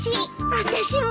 あたしも！